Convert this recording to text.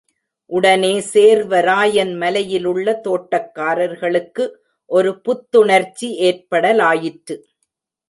உடனே சேர்வராயன் மலையிலுள்ள தோட்டக்காரர்களுக்கு ஒரு புத்துணர்ச்சி ஏற்படலாயிற்று.